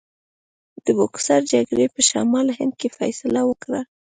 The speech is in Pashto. د بوکسر جګړې په شمالي هند کې فیصله وکړه.